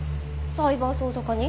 サイバー捜査課に？